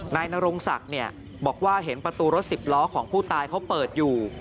นายนรงศักดิ์บอกว่าเห็นประตูรถสิบล้อของผู้ตายเขาเปิดอยู่